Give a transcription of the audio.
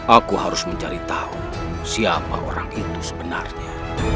aku harus mencari tahu siapa orang itu sebenarnya